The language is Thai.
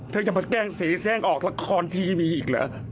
เธอยังมาแกล้งเสร็จแซ่งออกละครทีมีอีกเหรอ